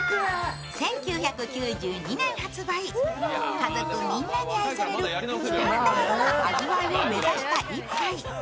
家族みんなに愛されるスタンダードな味わいを目指した一杯。